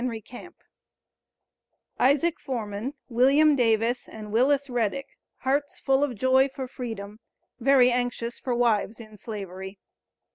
ISAAC FORMAN, WILLIAM DAVIS, AND WILLIS REDICK. HEARTS FULL OF JOY FOR FREEDOM VERY ANXIOUS FOR WIVES IN SLAVERY.